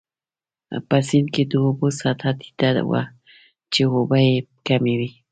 په سیند کې د اوبو سطحه ټیټه وه، چې اوبه يې کمې وې.